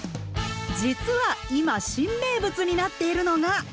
実は今新名物になっているのが。